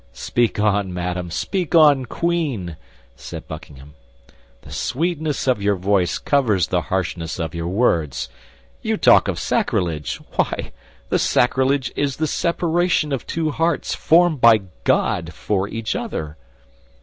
"Speak on, madame, speak on, Queen," said Buckingham; "the sweetness of your voice covers the harshness of your words. You talk of sacrilege! Why, the sacrilege is the separation of two hearts formed by God for each other."